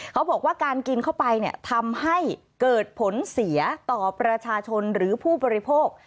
เขาบอกว่าการกินเข้าไปเนี่ยทำให้เกิดผลเสียต่อประชาชนหรือผู้บริโภค